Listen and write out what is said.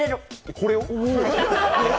これを？